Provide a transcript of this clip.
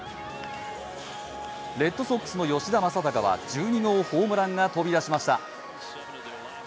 レッドソックスの吉田正尚は１２号ホームランが飛び出しました。